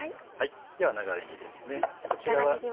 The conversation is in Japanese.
では長ねぎです。